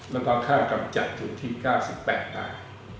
แล้วก็ค่ากำจัดอยู่ที่๙๘บาท